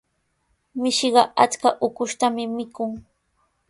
Mishiqa achka ukushtami mikun.